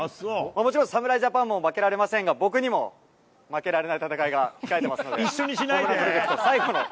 もちろん、侍ジャパンも負けられませんが、僕にも、負けられない一緒にしないで。